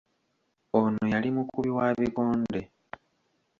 Ono yali mukubi wa bikonde.